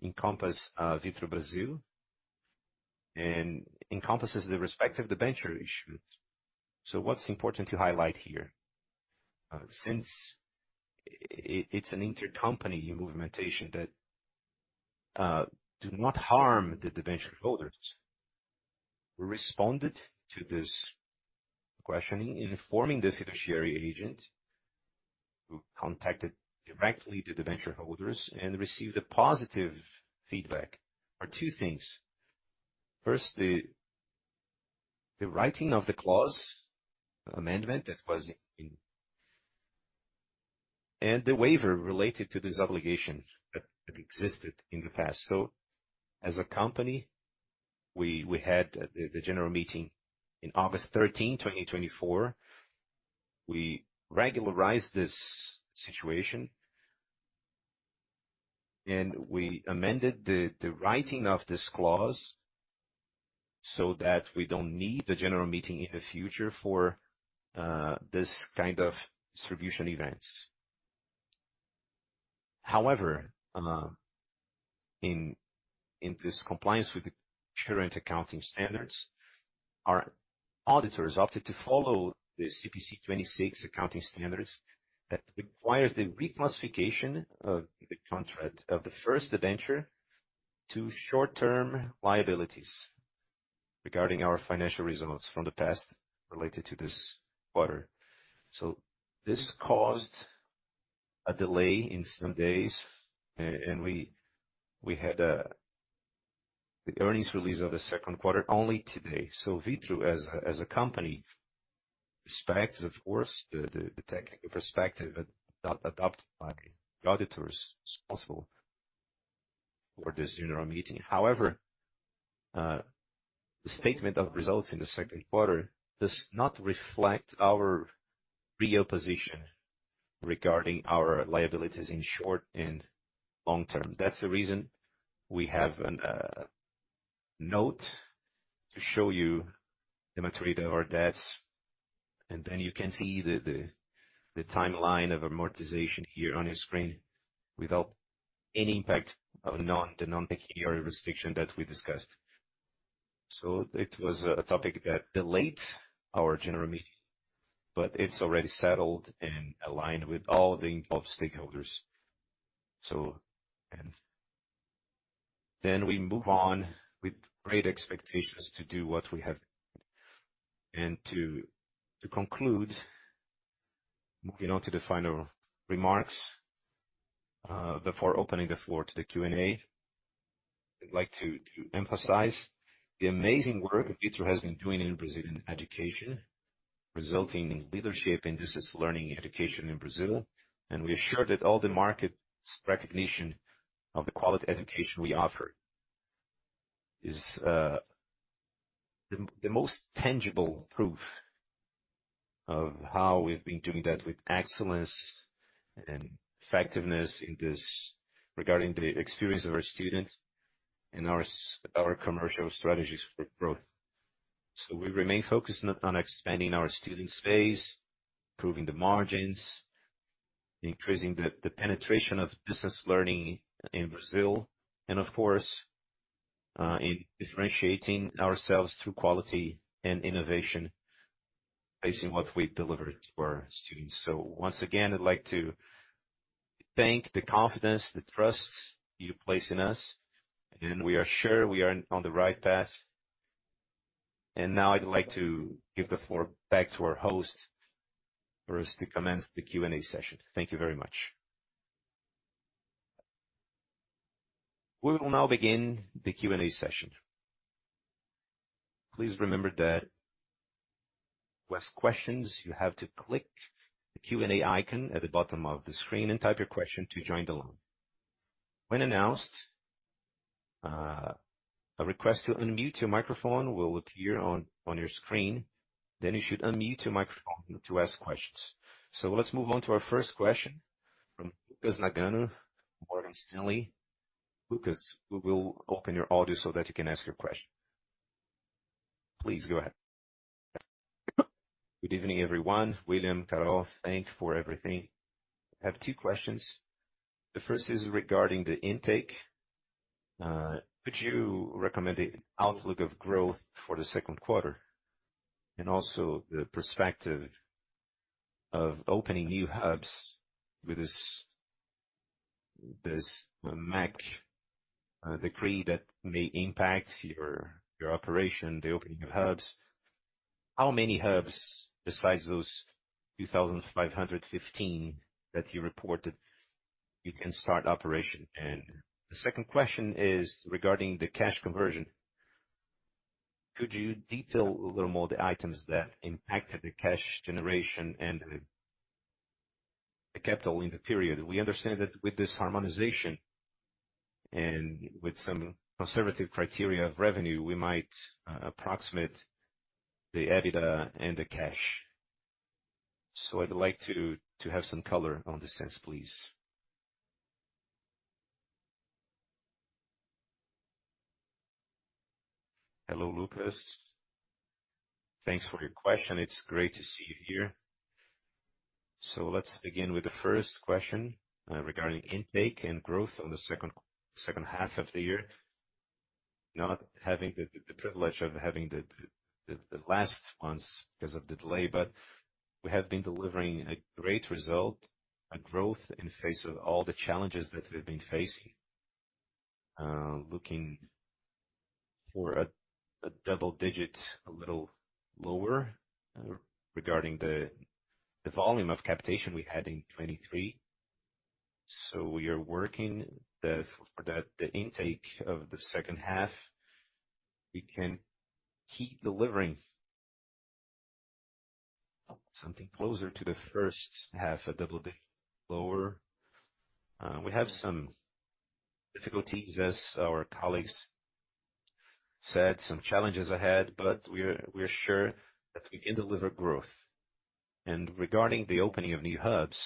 [SPEAKER 2] encompass Vitru Brasil and encompasses the respective debenture issues. What's important to highlight here, since it's an intercompany movementation that do not harm the debenture holders. We responded to this questioning, informing the fiduciary agent, who contacted directly the debenture holders and received a positive feedback. There are two things: first, the writing of the clause amendment that was in, and the waiver related to this obligation that existed in the past. As a company, we had the general meeting in August 13, 2024. We regularized this situation. We amended the writing of this clause so that we don't need the general meeting in the future for this kind of distribution events. However, in this compliance with the current accounting standards, our auditors opted to follow the CPC 26 accounting standards, that requires the reclassification of the contract of the first adventure to short-term liabilities regarding our financial results from the past related to this quarter. This caused a delay in some days, and we had the earnings release of the second quarter only today. Vitru, as a company, respects, of course, the technical perspective adopted by the auditors responsible for this general meeting. However, the statement of results in the second quarter does not reflect our real position regarding our liabilities in short- and long-term. That's the reason we have notes to show you the maturity of our debts, and then you can see the timeline of amortization here on your screen, without any impact of the non-pecuniary restriction that we discussed. So it was a topic that delayed our general meeting, but it's already settled and aligned with all of the stakeholders. And then we move on with great expectations to do what we have. And to conclude, moving on to the final remarks before opening the floor to the Q&A. I'd like to emphasize the amazing work Vitru has been doing in Brazilian education, resulting in leadership in business learning education in Brazil. And we are sure that all the market's recognition of the quality education we offer is the most tangible proof of how we've been doing that with excellence and effectiveness in this, regarding the experience of our students and our commercial strategies for growth. So we remain focused on expanding our student space, improving the margins, increasing the penetration of business learning in Brazil, and of course, in differentiating ourselves through quality and innovation, basing what we deliver to our students. So once again, I'd like to thank the confidence, the trust you place in us, and we are sure we are on the right path. And now I'd like to give the floor back to our host for us to commence the Q&A session. Thank you very much.
[SPEAKER 1] We will now begin the Q&A session. Please remember that to ask questions, you have to click the Q&A icon at the bottom of the screen and type your question to join the line. When announced, a request to unmute your microphone will appear on your screen, then you should unmute your microphone to ask questions. So let's move on to our first question from Lucas Nagano, Morgan Stanley. Lucas, we will open your audio so that you can ask your question. Please go ahead.
[SPEAKER 4] Good evening, everyone. William, Carol, thanks for everything. I have two questions. The first is regarding the intake. Could you recommend the outlook of growth for the second quarter, and also the perspective of opening new hubs with this MEC decree that may impact your operation, the opening of hubs? How many hubs, besides those 2,515 that you reported, you can start operation? And the second question is regarding the cash conversion. Could you detail a little more the items that impacted the cash generation and the capital in the period? We understand that with this harmonization and with some conservative criteria of revenue, we might approximate the EBITDA and the cash. So I'd like to have some color on this sense, please.
[SPEAKER 2] Hello, Lucas. Thanks for your question. It's great to see you here. So let's begin with the first question, regarding intake and growth on the second half of the year. Not having the privilege of having the last months because of the delay, but we have been delivering a great result, a growth in the face of all the challenges that we've been facing. Looking for a double digit, a little lower regarding the volume of captation we had in 2023. So we are working the intake of the second half. We can keep delivering something closer to the first half of double digit, lower. We have some difficulties, as our colleagues said some challenges ahead, but we're sure that we can deliver growth. Regarding the opening of new hubs,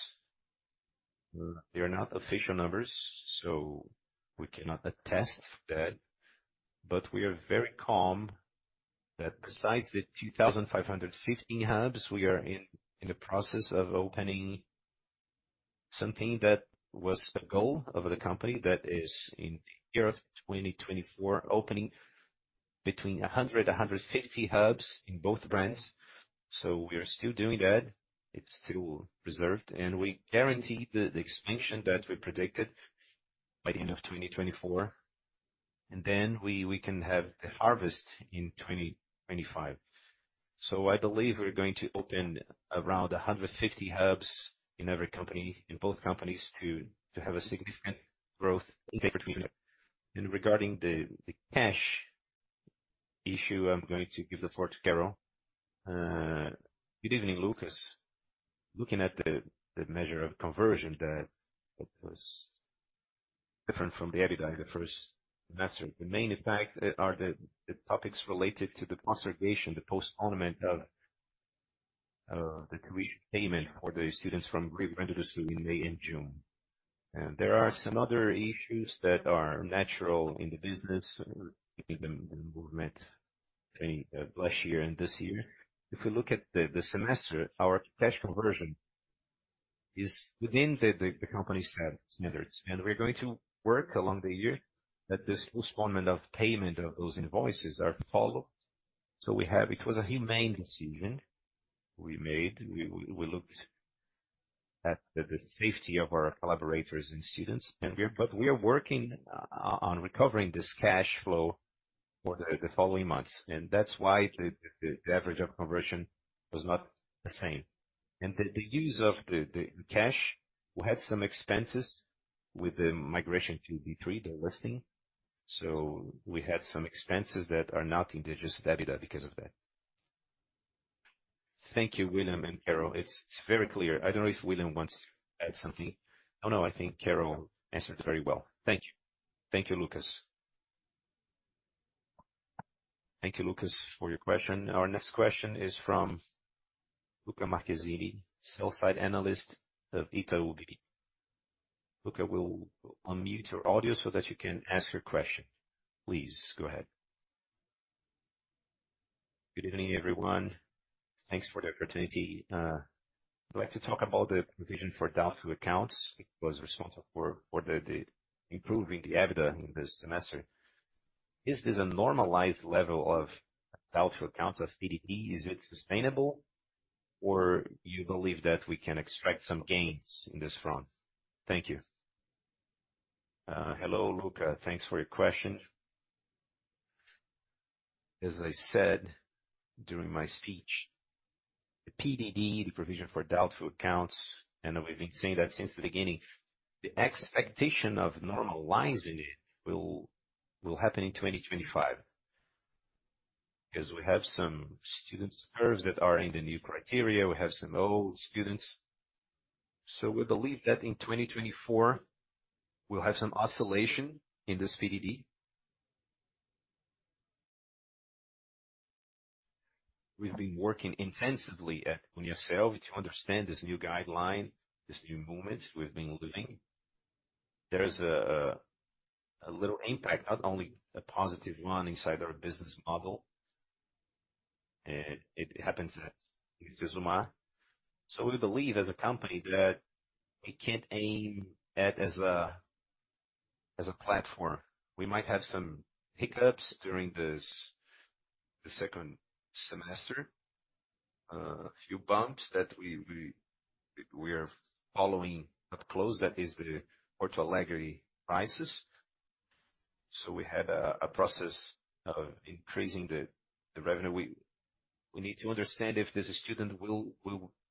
[SPEAKER 2] they are not official numbers, so we cannot attest that. But we are very calm that besides the 2,515 hubs, we are in the process of opening something that was a goal of the company, that is in the year of 2024, opening between 100 and 150 hubs in both brands. So we are still doing that. It's still preserved, and we guarantee the expansion that we predicted by the end of 2024, and then we can have the harvest in 2025. So I believe we're going to open around 150 hubs in every company - in both companies, to have a significant growth in between them. And regarding the cash issue, I'm going to give the floor to Carol.
[SPEAKER 3] Good evening, Lucas. Looking at the measure of conversion, that it was different from the EBITDA, the first semester. The main impact are the topics related to the Rio Grande do Sul, the postponement of the tuition payment for the students from Rio Grande do Sul in May and June. And there are some other issues that are natural in the business, in the movement last year and this year. If we look at the semester, our cash conversion is within the company's set standards, and we're going to work along the year that this postponement of payment of those invoices are followed. It was a humane decision we made. We looked at the safety of our collaborators and students, but we are working on recovering this cash flow for the following months, and that's why the average of conversion was not the same, and the use of the cash, we had some expenses with the migration to D3, the listing. So we had some expenses that are not in the just EBITDA because of that.
[SPEAKER 4] Thank you, William and Carol. It's very clear. I don't know if William wants to add something.
[SPEAKER 2] Oh, no, I think Carol answered very well. Thank you.
[SPEAKER 3] Thank you, Lucas.
[SPEAKER 2] Thank you, Lucas, for your question.
[SPEAKER 1] Our next question is from Luca Marchesini, sell-side analyst of Itaú BBA. Luca, we'll unmute your audio so that you can ask your question. Please go ahead.
[SPEAKER 5] Good evening, everyone. Thanks for the opportunity. I'd like to talk about the provision for doubtful accounts. It was responsible for the improving the EBITDA in this semester. Is this a normalized level of doubtful accounts of PDD? Is it sustainable, or you believe that we can extract some gains in this front? Thank you.
[SPEAKER 2] Hello, Luca. Thanks for your question. As I said during my speech, the PDD, the provision for doubtful accounts, and we've been saying that since the beginning, the expectation of normalizing it will happen in 2025, because we have some student curves that are in the new criteria. We have some old students. We believe that in 2024, we'll have some oscillation in this PDD. We've been working intensively on Uniasselvi to understand this new guideline, this new moment we've been living. There is a little impact, not only a positive one, inside our business model. It happens that it is EAD. We believe as a company that we can't aim at as a platform. We might have some hiccups during the second semester, a few bumps that we're following up close. That is the Porto Alegre crisis. So we had a process of increasing the revenue. We need to understand if this student will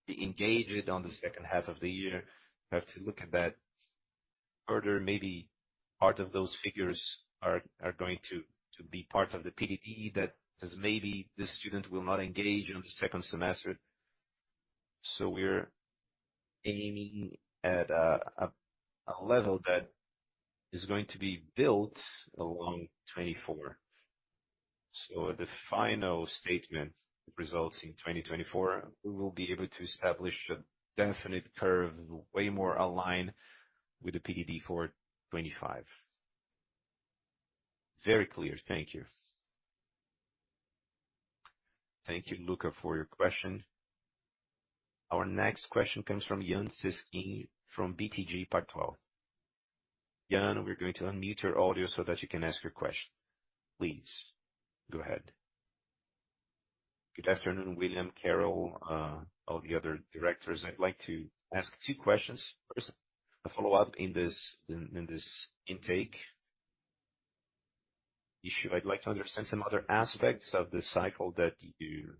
[SPEAKER 2] be engaged on the second half of the year. We have to look at that further. Maybe part of those figures are going to be part of the PDD, that is, maybe the student will not engage in the second semester. So we're aiming at a level that is going to be built along 2024. So the final statement results in 2024. We will be able to establish a definite curve, way more aligned with the PDD for 2025.
[SPEAKER 5] Very clear. Thank you.
[SPEAKER 2] Thank you, Luca, for your question.
[SPEAKER 1] Our next question comes from Yann Szyszka, from BTG Pactual. Yan, we're going to unmute your audio so that you can ask your question. Please go ahead.
[SPEAKER 6] Good afternoon, William, Carol, all the other directors. I'd like to ask two questions. First, a follow-up in this intake issue. I'd like to understand some other aspects of this cycle that you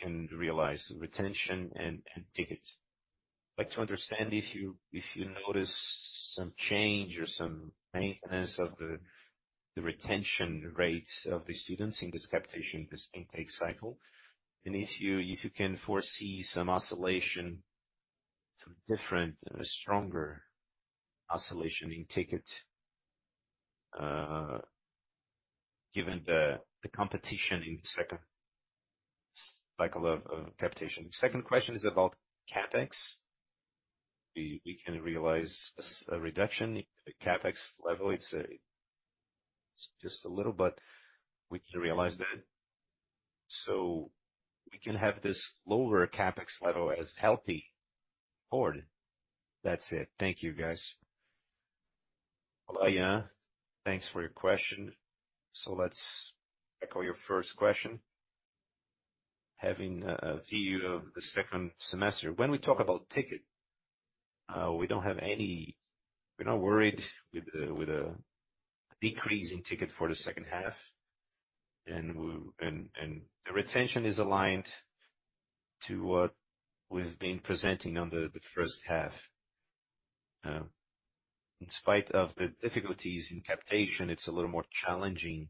[SPEAKER 6] can realize, retention and tickets. I'd like to understand if you noticed some change or some maintenance of the retention rates of the students in this intake, this intake cycle? And if you can foresee some oscillation, a stronger oscillation in ticket, given the competition in the second cycle of intake? Second question is about CapEx. We can realize a reduction in the CapEx level. It's just a little, but we can realize that. So we can have this lower CapEx level as healthy forward. That's it. Thank you, guys.
[SPEAKER 2] Olá, Jan. Thanks for your question. So let's echo your first question. Having a view of the second semester. When we talk about ticket, we're not worried with a decrease in ticket for the second half. The retention is aligned to what we've been presenting on the first half. In spite of the difficulties in capitation, it's a little more challenging.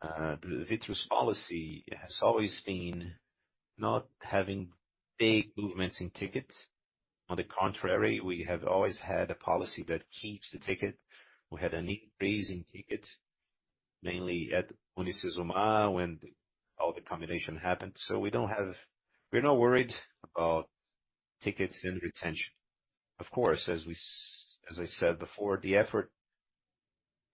[SPEAKER 2] But Vitru's policy has always been not having big movements in tickets. On the contrary, we have always had a policy that keeps the ticket. We had an increase in ticket, mainly at Universidade Zumbi, when all the combination happened. So we're not worried about tickets and retention. Of course, as I said before, the effort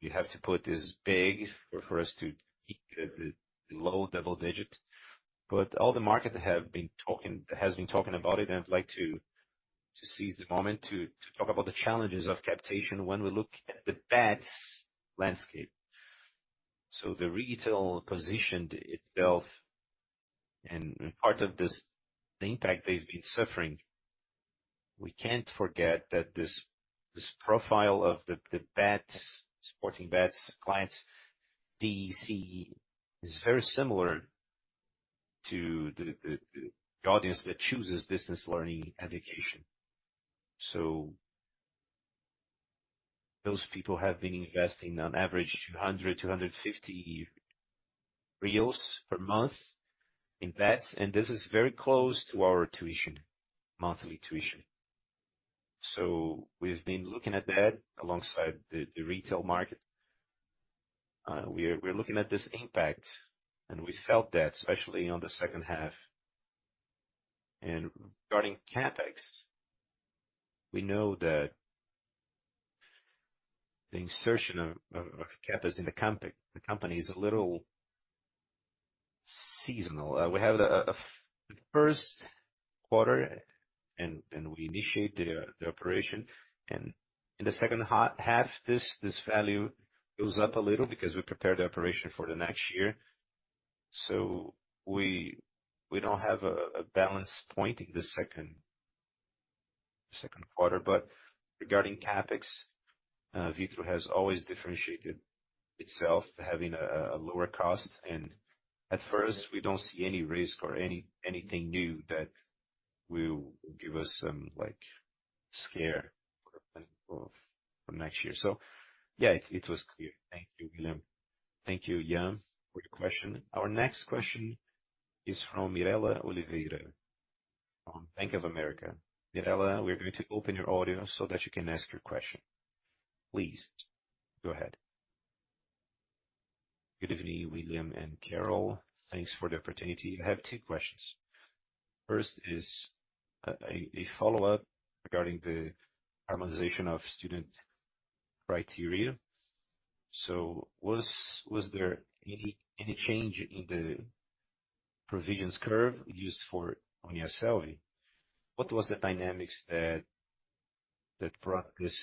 [SPEAKER 2] you have to put is big for us to keep the low double digit. But the market has been talking about it, and I'd like to seize the moment to talk about the challenges of capitation when we look at the bets landscape. So the retail positioned itself, and part of this, the impact they've been suffering, we can't forget that this profile of the bets, sporting bets clients, DC, is very similar to the audience that chooses business learning education. So those people have been investing on average 200 to 250 per month in bets, and this is very close to our tuition, monthly tuition. So we've been looking at that alongside the retail market. We're looking at this impact, and we felt that especially on the second half. And regarding CapEx, we know that the insertion of CapEx in the company is a little seasonal. We have the first quarter and we initiate the operation. And in the second half, this value goes up a little because we prepare the operation for the next year. So we don't have a balance point in the second quarter. But regarding CapEx, Vitru has always differentiated itself, having a lower cost, and at first, we don't see any risk or anything new that will give us some like scare for next year. So yeah, it was clear.
[SPEAKER 6] Thank you, William.
[SPEAKER 2] Thank you, Jan, for your question.
[SPEAKER 1] Our next question is from Mirela Oliveira from Bank of America. Mirela, we're going to open your audio so that you can ask your question. Please go ahead.
[SPEAKER 7] Good evening, William and Carol. Thanks for the opportunity. I have two questions. First is a follow-up regarding the harmonization of student criteria. Was there any change in the provisions curve used for Uniasselvi? What was the dynamics that brought this,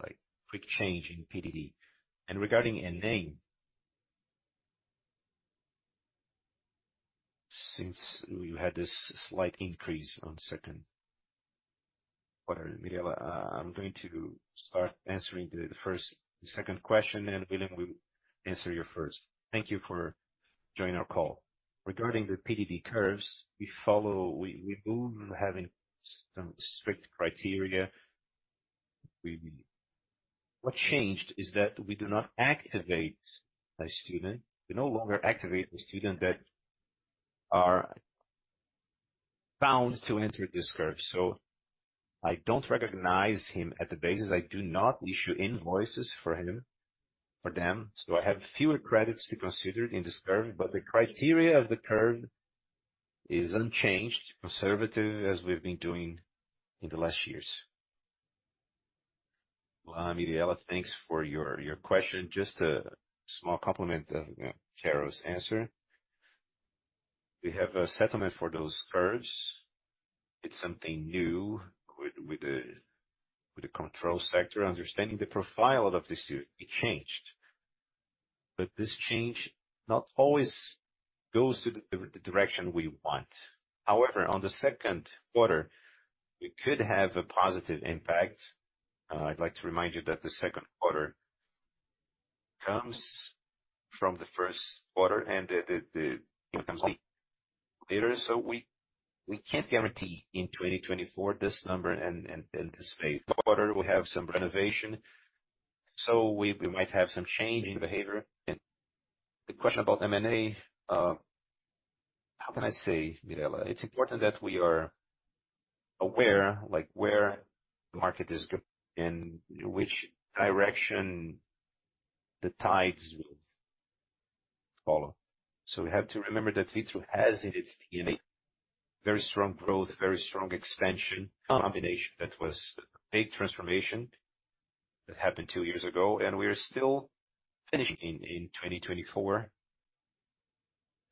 [SPEAKER 7] like, quick change in PDD? And regarding M&A, since you had this slight increase on second quarter.
[SPEAKER 3] Mirela. I'm going to start answering the first. The second question, and William will answer your first. Thank you for joining our call. Regarding the PDD curves, we follow. We move having some strict criteria. What changed is that we do not activate a student, we no longer activate the student that are bound to enter this curve. So I don't recognize him at the basis. I do not issue invoices for him, for them, so I have fewer credits to consider in this curve, but the criteria of the curve is unchanged, conservative, as we've been doing in the last years.
[SPEAKER 2] Mirela, thanks for your question. Just a small complement of Carol's answer. We have a settlement for those curves. It's something new with the control sector. Understanding the profile of the student, it changed. But this change not always goes to the direction we want. However, on the second quarter, it could have a positive impact. I'd like to remind you that the second quarter comes from the first quarter, and it comes later. So we can't guarantee in 2024 this number and this same quarter, we have some renovation. So we might have some change in behavior. The question about M&A, how can I say, Mirela? It's important that we are aware, like, where the market is going and which direction the tides will follow. So we have to remember that Vitru has in its DNA very strong growth, very strong expansion, combination. That was a big transformation that happened two years ago, and we are still finishing in 2024.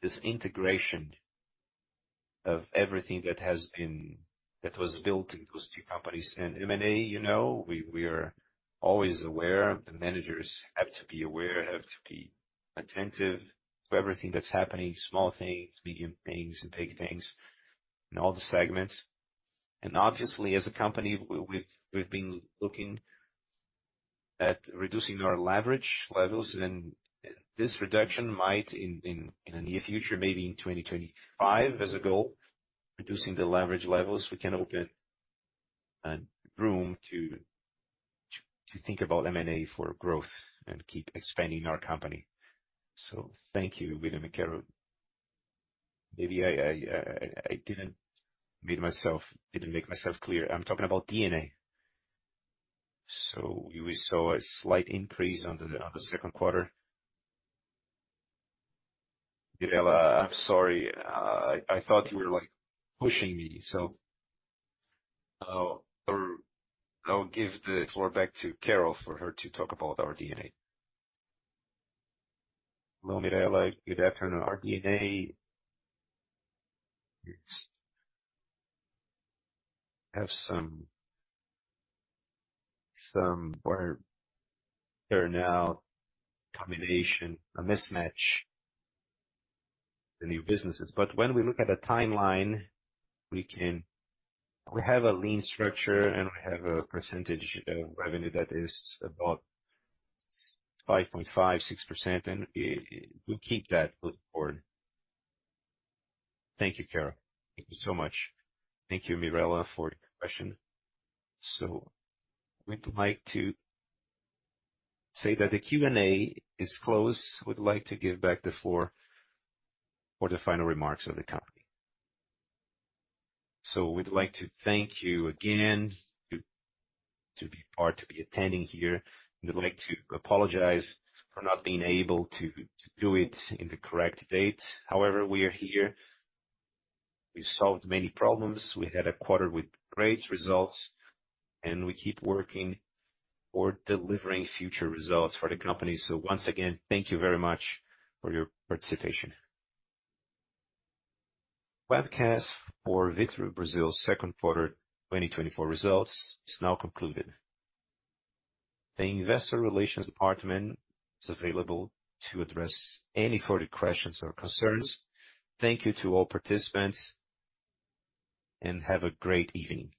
[SPEAKER 2] This integration of everything that was built in those two companies. And M&A, you know, we are always aware. The managers have to be aware, have to be attentive to everything that's happening, small things, medium things, and big things, in all the segments. And obviously, as a company, we've been looking at reducing our leverage levels, and this reduction might in the near future, maybe in 2025, as a goal, reducing the leverage levels, we can open room to think about M&A for growth and keep expanding our company. So thank you, Mirela and Carol. Maybe I didn't make myself clear. I'm talking about G&A. So we saw a slight increase on the second quarter. Mirela, I'm sorry, I thought you were, like, pushing me, so I'll give the floor back to Carol for her to talk about our G&A. Well, Mirela, give after our G&A. Have some where there are now combination, a mismatch, the new businesses. But when we look at a timeline, we can. We have a lean structure, and we have a percentage of revenue that is about 5.5-6%, and we keep that going forward. Thank you, Carol. Thank you so much. Thank you, Mirela, for the question. So we'd like to say that the Q&A is closed. We'd like to give back the floor for the final remarks of the company. We'd like to thank you again for being part of attending here. We'd like to apologize for not being able to do it on the correct date. However, we are here. We solved many problems. We had a quarter with great results, and we keep working or delivering future results for the company. Once again, thank you very much for your participation. The webcast for Vitru Brasil's second quarter twenty twenty-four results is now concluded. The investor relations department is available to address any further questions or concerns. Thank you to all participants, and have a great evening.